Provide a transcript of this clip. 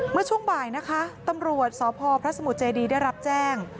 เมื่อช่วงบ่ายนะคะตำรวจสพพระสมุทรเจดีได้รับแจ้ง